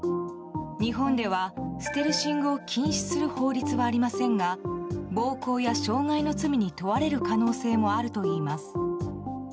日本ではステルシングを禁止する法律はありませんが暴行や傷害の罪に問われる可能性もあるといいます。